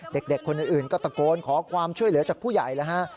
เด็กคนอื่นก็ตะโกนขอความช่วยเหลือจากผู้ใหญ่แล้วฮะ